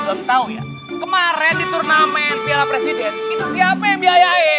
gak tau ya kemaren di turnamen piala presiden itu siapa yang biayain